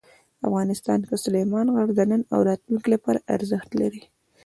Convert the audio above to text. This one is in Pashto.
افغانستان کې سلیمان غر د نن او راتلونکي لپاره ارزښت لري.